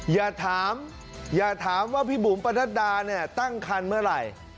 อย่าถามอย่าถามว่าพี่บุ๋มประนัดดาเนี่ยตั้งคันเมื่อไหร่